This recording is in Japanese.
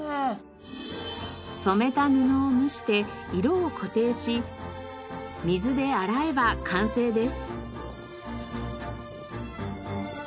染めた布を蒸して色を固定し水で洗えば完成です。